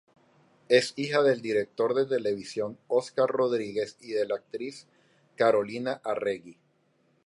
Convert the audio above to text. Es hija del director de televisión Óscar Rodríguez y de la actriz Carolina Arregui.